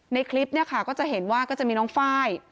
ในคลิปเนี่ยค่ะก็จะเห็นว่าก็จะมีน้องไฟล์